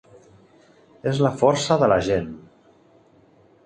És la força de la gent.